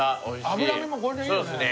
脂身もこれでいいよね。